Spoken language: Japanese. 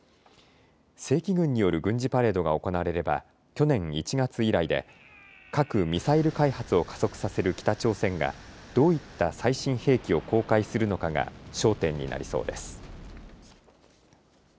正規軍による軍事パレードが行われれば去年１月以来で核・ミサイル開発を加速させる北朝鮮がどういった最新兵器を公開するのかが焦点になりそうです。